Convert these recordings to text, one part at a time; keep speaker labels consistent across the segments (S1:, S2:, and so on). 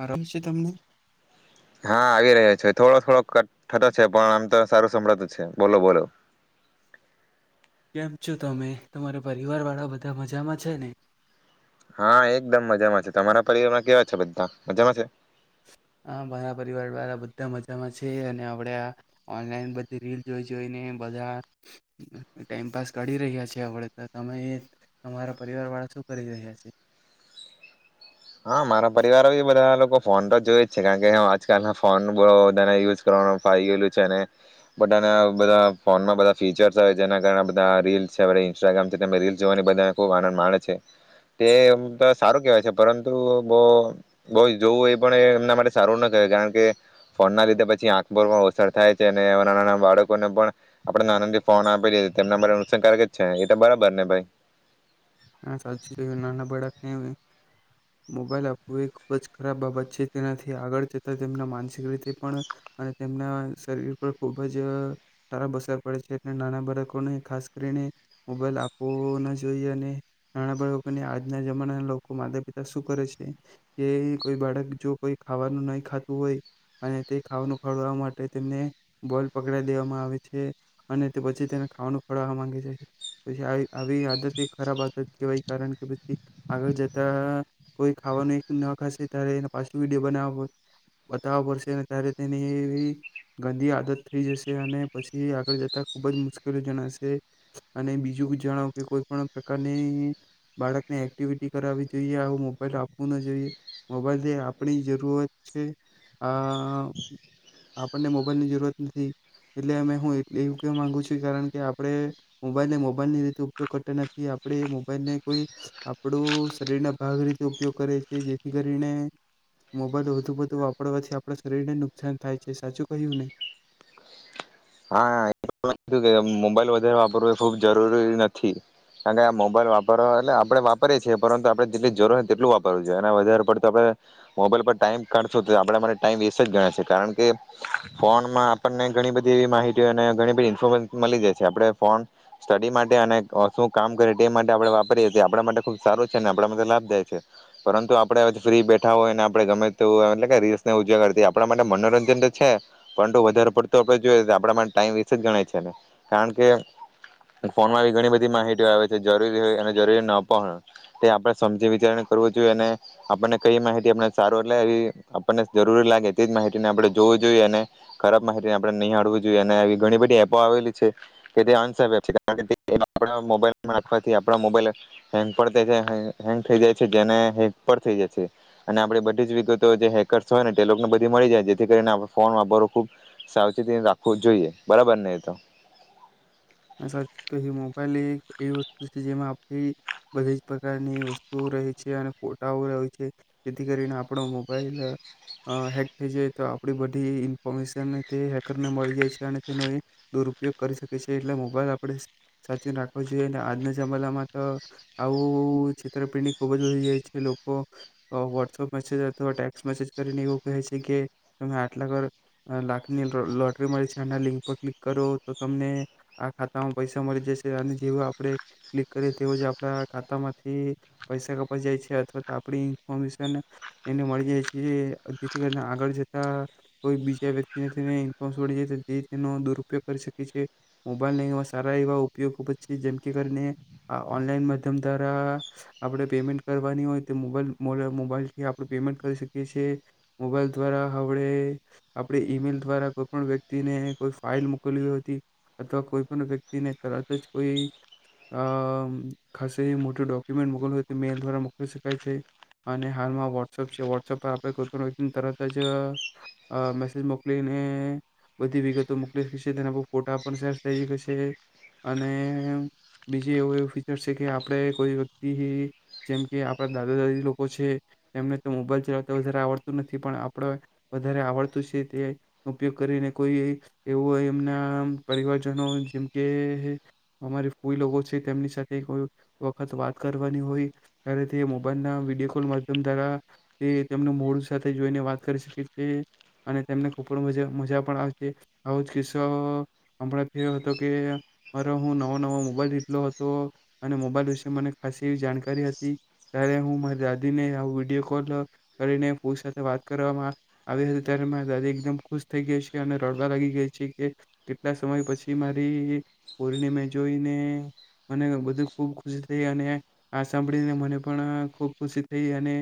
S1: આરામ છે તમને?
S2: હા આવી રહ્યો છે થોડો થોડો કટ થતો છે પણ આમ તો સારું સંભળતું છે બોલો બોલો.
S1: કેમ છો તમે તમારા પરિવાર વાળા બધા મજામાં છે ને?
S2: હા, એકદમ મજામાં છે. તમારા પરિવારમાં કેવા છે બધા મજામાં છે?
S1: હા, મારા પરિવાર વાળા બધા મજામાં છે અને આપણા આ ઓનલાઈન બધી રીલ જોઈ જોઈને બધા એ ટાઈમપાસ કરી રહ્યા છે. તો તમે તમારા પરિવાર વાળા શું કરી રહ્યા છે?
S2: હા, મારા પરિવારો બધા લોકો ફોન તો જોય જ છે કારણ કે આજકાલ ફોન બહુ બધાને યુઝ કરવાનું ફાવી ગયેલું છે અને બધાના બધા ફોનમાં બધા ફીચર્સ જેના કારણે બધા રીલ છે ઇન્સ્ટાગ્રામ છે રીલ જોવા બધાને ખુબ આનંદ માણે છે. તે એમ સારું કહેવાય છે પરંતુ બહુ બહુ જોવું એ પણ એમના માટે સારું ના કહેવાય કારણ કે ફોન ના લીધે પછી આંખ પર પણ અસર થાય છે અને નાના નાના બાળકોને પણ આપણે નાનાથી ફોન આપે તેમના માટે નુકસાનકારક જ છે એ તો બરાબર ને ભાઈ?
S1: હા, સાચું કયું નાના બાળકને મોબાઈલ આપવું એ ખૂબ જ ખરાબ બાબત છે. તેનાથી આગળ જતાં તેમના માનસિક રીતે પણ અને તેમના શરીર પર ખુબ જ અહ ખરાબ અસર પડે છે, એટલે નાના બાળકોને ખાસ કરીને મોબાઈલ આપવો ન જોઈએ અને નાના બાળકોને આજના જમાનાના લોકો માતા પિતા શું કરે છે કે કોઈ બાળક જો કોઈ ખાવાનું નહી ખાતું હોય અને તે ખાવાનું ખવડાવા માટે તેમને મોબાઈલ પકડાવી દેવામાં આવે છે અને પછી તેને ખાવાનું ખવડાવા માંગે છે પછી આવી આદત ખરાબ આદ આદત કહેવાય કારણ કે પછી આગળ જતા કોઈ ખાવાનું એક ના ખાશે ત્યારે એ પાછો વિડીયો બનાવ બતાવવા પડશે ત્યારે તેની એવી ગંદી આદત થઈ જશે અને પછી આગળ જતા ખુબ જ મુશ્કેલી જણાશે અને બીજું જણાવો કે કોઈ પણ પ્રકાર અને બાળકને એક્ટિવિટી કરાવવી જોઈએ આવું મોબાઈલ આપવું ના જોઈએ મોબાઈલ જે આપણી જરૂરત છે આ આપણને મોબાઈલની જરૂરત નથી એટલે અમે હું એવું કેવા માંગુ છું કારણ કે આપણે મોબાઈલને મોબાઈલ ની રીતે ઉપયોગ કરતા ન થી આપણે મોબાઈલ ને કોઈ આપણું શરીરના ભાગ રીતે ઉપયોગ કરે છે જેથી કરીને મોબાઈલ વધુ પડતું વાપરવાથી આપણા શરીરને નુકસાન થાય છે સાચું કહ્યું ને.
S2: હા [unintelligible] મોબાઈલ વધારે વાપરવું એ ખુબ જરૂરી નથી કારણ કે આ મોબાઈલ વાપરવા એટલે આપણે વાપરીએ છીએ પરંતુ આપણે જેટલી જરૂર હો તેટલું વાપરવું જોઈએ અને વધારે પડતો આપણે મોબાઈલ પર ટાઈમ કાઢશું તો આપણે અરે ટાઈમ વેસ્ટ જ ગણ છે કારણ કે ફોનમાં આપણને ઘણી બધી એવી માહિતી અને ઘણી બધી ઇ ખૂબ જ મળી જાય છે આપણે ફોન સ્ટડી માટે અને શું કામ કરે તે માટે આપણે વાપરીએ છીએ આપણા માટે ખુબ સારું છે અને આપણા માટે લાભદાય છે પરંતુ આપણે હજુ ફ્રી બેઠા હોય ને આપણે ગમે તે હોય એટલે કે રીલ્સ ને એવું જોયા કરીએ તે આપણા માટે મનોરંજન તો છે પરંતુ વધારે પડતો આપણે જોઈએ આપણા માટે ટાઈમ વેસ્ટ જ ગણાય છે. કારણ કે ફોનમાં આવી ઘણી બધી માહિતી આવે છે જરૂરી હોય અને જરૂરી ન પણ તે આપણે સમજી વિચાર કરવું જોઈએ અને આપણને કઈ માહિતી આપ સારું એટલે એ આપણને જરૂરી લાગે તે જ માહિતીને આપણે જોવું જોઈએ અને ખરાબ માહિતીને આપણે નિહાળવું જોઈએ અને આવી ઘણી બધી એપ એપો આવેલી છે તે આન્સર રે છે કે [unintelligible] આપણા મોબાઈલ મારફતે આપણા મોબાઈલ હેંગ પણ થઈ જાય હે હેંગ થઈ જાય છે ને હેક પણ થઈ જાય અને આપણે બધી જ વિગતો જે હેકર્સ હોય ને તે લોકો ને બધી મળી જાય જેથી કરીને આપને ફોન વાપરવો ખૂબ સાવચેતી રાખવું જોઈએ બરાબર ને. તો.
S1: સાચું કહ્યું મોબાઈલ એક એ વસ્તુ છે જેમાં આપણી બધી જ પ્રકારની વસ્તુઓ રહે છે અને ફોટાઓ રહે છે જેથી કરીને આપણો મોબાઈલ હેક થઈ જાય તો આપડી બધી ઇન્ફોર્મેશન તે હેકર ને મળી જાય છે અને તેનો દુરુપયોગ કરી શકે તે છે એટલે મોબાઈલ આપણેે સાચીને રાખવો જોઈએ ને આજના જમાનામાં તો આવું છેતરપિંડી ખુબ જ વધી જાય છે લોકો વોટ્સઅપ મેસેજ અથવા ટેક્સ મેસેજ કરીને એવું કહે છે કે તમે આટલા ઘ લાખની લોટરી મળે છે આના લિંક પર ક્લિક કરો તો તમને આ ખાતા માં પૈસા મળી જશે અને જેવ આપણે ક્લિક કરીએ તેવ જ આપણા ખાતા માંથી પૈસા કપાઈ જાય છે અથવા તો આપણી ઇન્ફોર્મેશન એને મળી જાય છે જેથી કરીને આગળ જતા કોઈ બીજા વ્યક્તિ મળી જાય તેનો દુરુપયોગ કરી શકે છે. મોબાઈલ ને એવા સારા એવા ઉપયોગ ખૂબ જ છે જેમકે કરીને આ ઓનલાઈન માધ્યમ દ્વારા આપણે પેમેન્ટ કરવાની હોય તે મોબાઈલ મોબાઈલથી આપણે પેમેન્ટ કરી શકીએ છએ મોબાઈલ દ્વારા હળવે આપણે ઈમેલ દ્વારા કોઈ પણ વ્યક્તિને કોઈ ફાઈલ મોકલવી હતી અથવા કોઈ પણ વ્યક્તિને તરત જ કોઈ અ ખાસ મોટી ડોક્યુમેન્ટ મોકલું હોય તો મેઇલ દ્વારા મોકલી શકાય છે અને હાલમાં વોટ્સઅપ છે વોટ્સઅપ પર આપણે કોઈ પણ વ્યક્તિને તરત જ મેસેજ મોકલીને બધી વિગતો મોકલી શકી તેના પર ફોટા પણ સેસ થઈ શકેશે અને બીજું એવું એવું ફીચર્સ છે કે આપણે કોઈ વ્યક્તિ હિ જેમ કે આપણા દાદા દાદી લોકો છે એમને તો મોબાઈલ ચલાવતા વધારે આવડતું નથી પણ આપણે વધારે આવડતું છે તે ઉપયોગ કરીને કોઈ એવું એમના પરિવારજનો જેમકે અમારી ફૂઈ લોકો છે તેમની સાથે કોઈ વખત વાત કરવાની હોય ત્યારે તે મોબાઈલના વિડીયો કોલ માધ્યમ દ્વારા તે તેમનું મૂડ સાથે જોઈને વાત કરી શકે છે અને તેમને ખૂબર મા મજા પણ આવે છે આવું જ કિસ્સો હમણાં થયો હતો કે મારો હું નવો નવો મોબાઈલ લીધેલો હતો અને મોબાઈલ વિશે મને ખાસી એવી જાણકારી હતી ત્યારે હું મારી દાદીને આવ વિડીયો કોલ કરીને ફૂઈ સાથે વાત કરવામાં આવી હતી ત્યારે મારા દાદી એકદમ ખુશ થઈ ગઈ છે અને રડવા લાગી ગઈ છે કે કેટલા સમય પછી મારી પોયરી ને મેં જોઈને મને બધું ખુબ ખુશી થઈ અને આ સાંભળીને મને પણ ખુબ ખુશી થઈ અને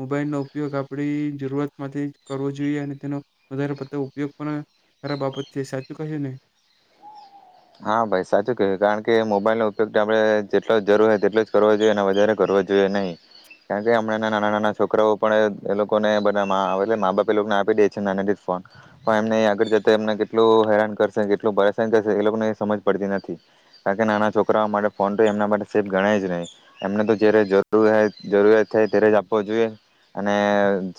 S1: મોબાઈલનો ઉપયોગ આપડી જરૂરતમાંથી કરવો જોઈએ અને તેનો વધારે પડતો ઉપયોગ પણ ખરાબ બાબત છે સાચી કહ્યું ને.
S2: હા ભાઈ સાચું કે કારણ કે મોબાઈલ નો ઉપયોગ આપણે જેટલો જરૂર હો તેટલો જવો જોઈએ અને વધારે કરવો જોઈએ નહીં કારણ કે હમણાં નાના નાના છોકરાઓ પણ એ લોકોને બધા માં એલે મા બાપ એ લોકોને આપી દે છે નાની ફોન પણ એમને આગળ જતા એમને કેટલું હેરાન કરશે કેટલું પરેશાન કરશે એ લોકોને સમજ પડતી નથી કારણ કે નાના છોકરાઓ માટે ફોન તો એમના માટે સેફ ગણાય જ નહીં એમને તો જ્યારે જરૂર જરૂરિયાત થાય ત્યારે જ આપવો જોઈએ અને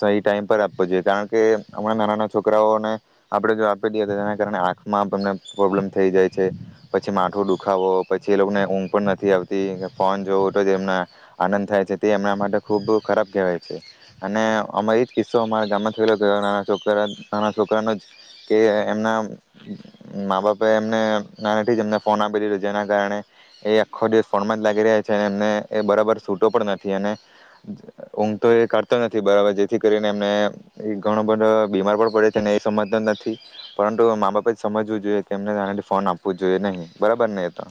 S2: સહી ટાઈમ પર આપવો જોઈએ કારણ કે હમણાં નાના નાના છોકરાઓને આપણે જો આપી દઈએ તો તેના કારણે આંખમાં અમને પ્રોબ્લેમ થઈ જાય. છે પછી માઠું દુખાવો પછી એ લોકોને ઊંઘ પણ નથી આવતી ફોન જોવો તો જે એમના આનંદ થાય છે તે એમના માટે ખૂબ ખરાબ કહેવાય છે અને અમા એ જ કિસ્સો અમારા ગામમાં થયલો નાના છોકરા નાના છોકરાનો જ કે એમના મા બાપા એમને નાનાથી જ એમને ફોન આપી દીધો જેના કારણે એ આખો દિવસ ફોન માં જ લાગી રહ્યા છે અને એમને એ બરાબર છૂટો પણ નથી અને ઊંઘતો એ કરતો નથી બરાબર જેથી કરીને એમને એ ઘણો બધો બીમાર પણ પડે છે અનેને એ સમજતો નથી પરંતુ મા બાપે જ સમજવું જોઈએ કે એમને નાનાથી ફોન આપ આપું જોઈએ નહી બરાબર ને એ તો.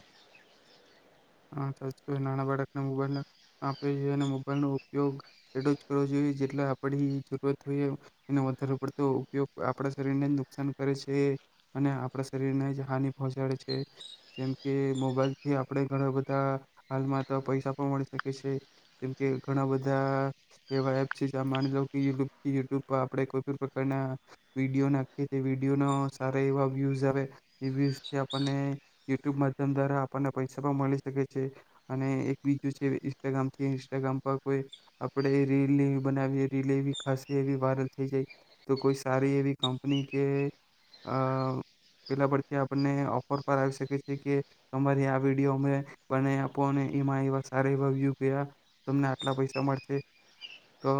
S1: આમ થવું જોઈએ નાના બાળકને મોબાઈલ આપ જોઈએ અને મોબાઈલ નો ઉપયોગ એટલો જ કરવો જોઈએ જેટલા આપડી જરૂરત હોઈએ એનો વધારે પડતો ઉપયોગ આપણા શરીરને જ નુકસાન કરે છે અને આપણા શરીરને જ હાનિ પહોંચાડે છે જેમ કે મોબાઈલથી આપણે ઘણા બધા હાલમાં તો પૈસા પણ મળી શકે છે જેમકે ઘણા બધા એવા એપ છે જે માની લો કે યુટ્યુબથી યુટ્યુબ પર આપણેે કોઈ પણ પ્રકારના વિડીયો નાખીએ તે વિડીયો ન સારા એવા વ્યુઝ આવે એ વ્યુઝથી આપણને યુટ્યુબ માધ્યમ દ્વારા આપણને પૈસા સા મળી શકે છે અને એક બીજું છે ઇન્સ્ટાગ્રામ થી ઇન્સ્ટાગ્રામ પર કોઈ આપણે રીલ બનાવી રીલ એવી ખાસ એવી વાયરલ થઈ જાય તો કોઈ સારી એવી કંપની કે અ પેલા પરથી આપણને ઓફર પર આવી શકે છે કે તમારી આ વી બીયો અમે બના આપો અને એમાં એવા સારા એવા વ્યુ ગયા તમને આટલા પૈસા મળશે તો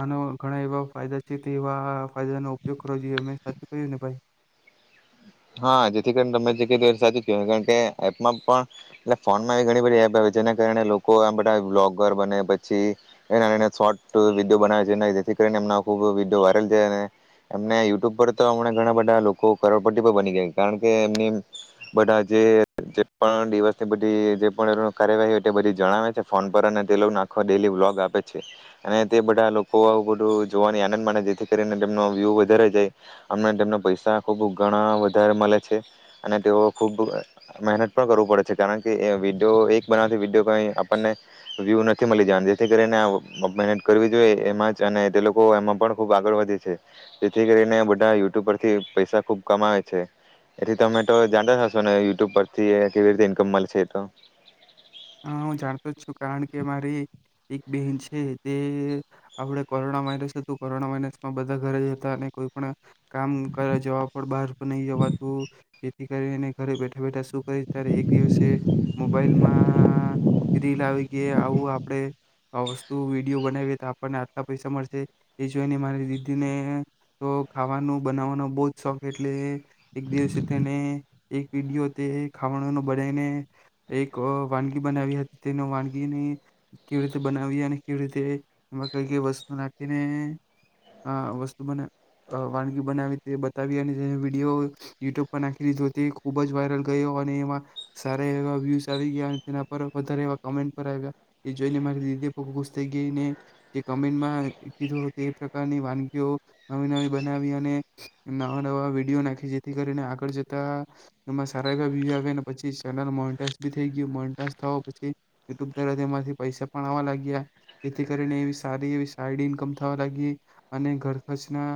S1: આનો ઘણા એવા ફાયદા છે તે એવા ફાયદા ન ઉપયોગ કરવો જોઈએ મેં સાચું કયું ને ભાઈ.
S2: હા જેથી કરી તમે જગ્યા સાચી કહેવાય કારણ કે એપમાં પણ એ ફોનમાં એ ઘણી બધી એપ આવે જેના કારણે લોકો આમ બધા બ્લોગર બને પછી એના એ શોટ વિડીયો બનાવે છે જેના એ જેથી કરીને ખુબ વિડીયો વાયરલ થયા ને એમને યુટ્યુબ પર તો મને ઘણા બધા લોકો કરોડપ ટેવ બની ગઈ કારણ કે એમની બધા જે પણ દિવસની બધી જે પણ એનો કાર્યવાહી હોય તે બઘી જણાવે છે ફોન પર અને ડેલો નાખો એને ડેલી બ્લોગ આપે છે અને તે બધા લોકો આવું બધું જોવા ની આનંદ મળે છે જેથી કરીને તેમનો વ્યુ વધારે જાય અને તેમ પૈસા ખુબ ઘણા વધારે મળે છે અને તેઓ ખૂબ મહેનત પણ કરવું પડે છે કારણ કે વિડીયો એક બનાવથી વિડીયો કઈ આપણને વ્યૂ નથી મળી જવા જેથી કરીને મહેનત કરવી જોઈએ એમાં જ અને તે લોકો એમાં પણ ખૂબ આગળ વધે છે જેથી કરીને બધા યુટ્યુબ પરથી પૈસા ખૂબ કમાવે છે એથી તમે તો જાતા હશો ને યુટ્યુબ પરથી કેવી રીતે ઇન્કમ મળશે એ તો.
S1: હા હું જાણતો જ છું. કારણ કે મારે એક એક બેન છે તે આપણે કોરોના વાયરસ હતું કોરોના વાયરસમાં બધા ઘરે જતા અને કોઈ પણ કામ કરવા જવા પણ બહાર નહી જવાતું જેથી કરી એને ઘરે બેઠા બેઠા શું કરી ત્યારે એક દિવસે મોબાઈલમાં માં રીલ આવી કે આવું આપણે આ વસ્તુ વિડીયો બનાવીએ તો આપણને આટલા પૈસા મળશે એ જોઈને મારી દીદીને તો ખાવાનું બનાવવાનો બહુ જ શોખ એટલે એક દિવસે તેને એક વિડીયો તે ખાવાનો બનાવીને એક કા વાનગી બનાવી હતી તેને વાનગીને કેવી રીતે બનાવી અને કેવી રીતે એમાં કઈ કઈ વસ્તુ નાખીને વસ્તુ બના વાનગી બનાવી તે બતાવી અને તેનો વિડીયો યુટ્યુબ પર નાખી દીધો તે ખૂબ જ વાયરલ ગયો અને એમાં સારા એવા વ્યૂઝ આવી ગયા તેના પર વધારે એવા કમેન્ટ પર આવ્યા એ જોઈને મારી દીદી બો ખુશ થઈ ગઈને જે કમેન્ટમાં કીધું તે પ્રકારની વાનગીઓ નવી નવી બનાવી અને નવા નવા વિડીયો નાખી જેથી કરીને આગળ જતા એમાં સારા એવા વ્યુ આવે પછી ચેનલ મોટા તી થઈ ગયું [unintelligible] સ્ટોક પછી યુટ્યુબ દ્વારા તેમાંથી પૈસા પણ આવવા લાગ્યા જેથી કરીને એવી સારી એવી સાઈડ ઇન્કમ થવા લાગી અને ઘર ખર્ચના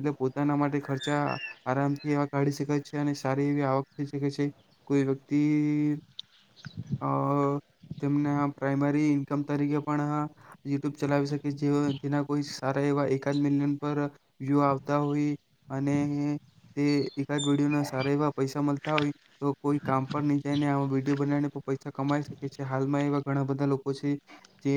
S1: એટલે પોતાના માટે ખર્ચા આરામથી એવા કાઢી શકે છે અને સારી એવી આવક થઈ શકે છે કોઈ વ્યક્તિ અ તેમને આમ પ્રાઈમરી ઇન્કમ તરીકે પણ યુટ્યુબ ચલાવી શકે જે જેના કોઈ સારા એવા એકાદ મિલિયન પર વ્યુ આવતા હોય અને તે એકાદ વિડીયોના સારા એવા પૈસા મળતા હોય તો કોઈ કામ પર નહી જાયને આવો વિડિયો વીડિયો બનાવીને પણ પૈસા કમાઈ શકે છે હાલમાં એવા ઘણા બધા લોકો છે જે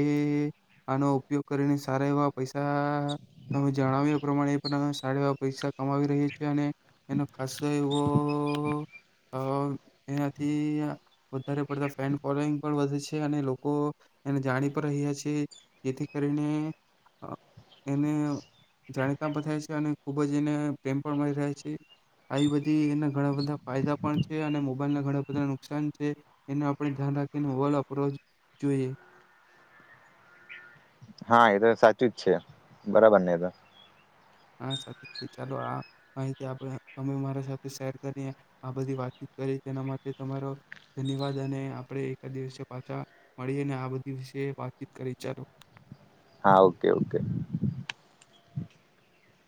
S1: આનો ઉપયોગ કરીને સારા એવા પૈસા તમે જણાવ્યું એ પ્રમાણે પણ સારા એવા પૈસા કમાવી રહ્યા છે અને એનો ખાસો એવો અ એનાથી વધારે પડતા ફેન ફોલોઈંગ પણ વધે છે અને લોકો એને જાણી પણ રહ્યા છે જેથી કરીને અ એને જાણીતા પણ થાય છે અને ખુબ જ એને પ્રેમ પણ મળી રહ્યા છે આવી બધી એના ઘણા બધા ફાયદા પણ છે અને મોબાઈલના ઘણા બધા નુક નુકસાન છે એનું આપણે ધ્યાન રાખીને મોબાઈલ વાપરવા જોઈએ.
S2: હા એ તો સાચું જ છે બરાબર ને એ તો.
S1: હા સાથે ચાલો આ માહિતી આપ તમે મારા સાથે શેર કરીને આ બધી વાતચીત કરી તેના માટે તમારો ધન્યવાદ અને આપણે એકાદ દિવસે પાછા મળી અને આ બધી વિશે વાતચીત કરી ચાલો.
S2: હા ઓકે ઓકે.